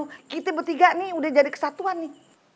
udah tiba tiba nih udah jadi kesatuan nih